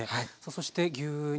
そして牛肉。